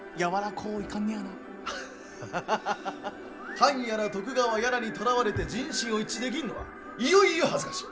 藩やら徳川やらにとらわれて人心を一致できんのはいよいよ恥ずかしい。